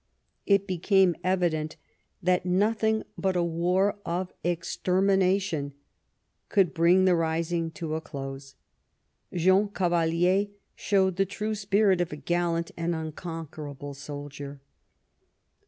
It became evident that nothing but a war of extermination could bring the rising to a close. Jean Cavalier showed the true spirit of a gallant and unconquerable soldier.